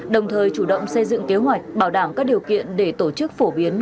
đồng thời chủ động xây dựng kế hoạch bảo đảm các điều kiện để tổ chức phổ biến